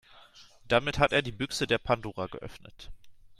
Damit hat er die Büchse der Pandora geöffnet.